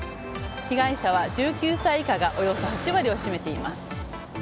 被害者は１９歳以下がおよそ８割を占めています。